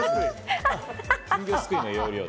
金魚すくいの要領で。